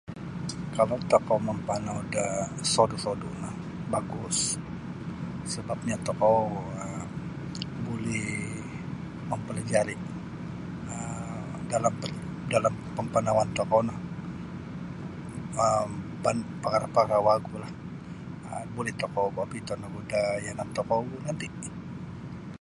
Kalau tokou mampanau da sodu'-sodu' no bagus sebapnyo tokou um buli mampalajari' um dalam dalam pampanauan tokou no um pan pakara'-pakara' wagulah um buli tokou obiton ogu da yanan tokou nanti'.